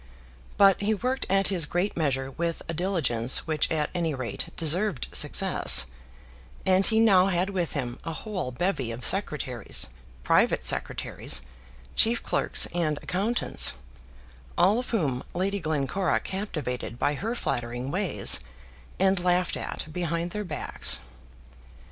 But he worked at his great measure with a diligence which at any rate deserved success; and he now had with him a whole bevy of secretaries, private secretaries, chief clerks, and accountants, all of whom Lady Glencora captivated by her flattering ways, and laughed at behind their backs.